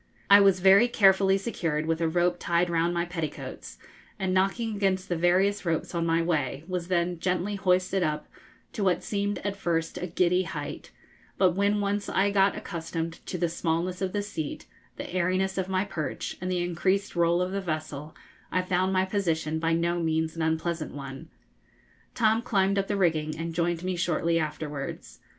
I was very carefully secured with a rope tied round my petticoats, and, knocking against the various ropes on my way, was then gently hoisted up to what seemed at first a giddy height; but when once I got accustomed to the smallness of the seat, the airiness of my perch, and the increased roll of the vessel, I found my position by no means an unpleasant one. Tom climbed up the rigging and joined me shortly afterwards.